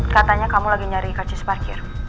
katanya kamu lagi nyari kerja separkir